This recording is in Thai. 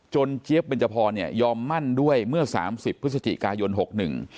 จนเจี๊ยบบรรจพรยอมมั่นด้วยเมื่อ๓๐พฤศจิกายน๖๑